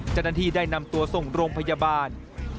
เจ้าหน้าที่ได้นำตัวส่งโรงพยาบาล